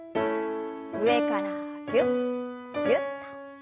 上からぎゅっぎゅっと。